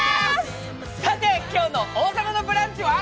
さて今日の「王様のブランチ」は？